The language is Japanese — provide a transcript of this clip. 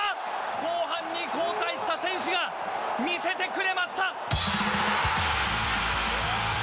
後半に交代した選手が見せてくれました。